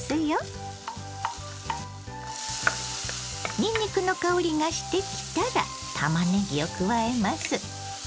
にんにくの香りがしてきたらたまねぎを加えます。